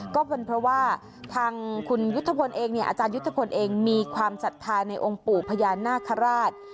ก็เป็นเพราะว่าทางคุณยุทธพลเองเนี่ยอาจารยุทธพลเองมีความศรัทธาในองค์ปู่พญานาคาราช